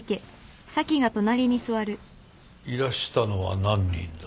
いらしたのは何人だ？